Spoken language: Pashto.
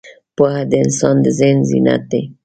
پوهه د انسان د ذهن زینت ده.